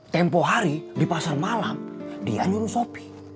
tempo hari di pasar malam dia nyuruh sopi